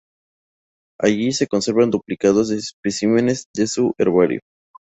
Allí se conservan duplicados de especímenes de su herbario